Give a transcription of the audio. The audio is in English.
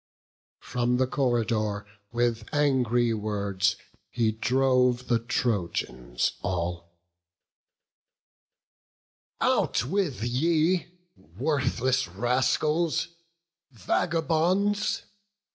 From the corridor With angry words he drove the Trojans all: "Out with ye, worthless rascals, vagabonds!